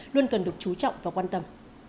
luôn cần được trú trọng và quan tâm